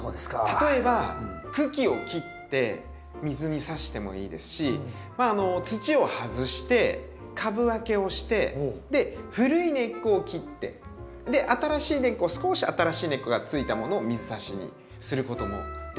例えば茎を切って水に挿してもいいですしまあ土を外して株分けをしてで古い根っこを切ってで新しい根っこを少し新しい根っこがついたものを水挿しにすることもできます。